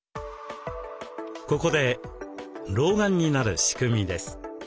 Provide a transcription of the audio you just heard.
ここで老眼になる仕組みです。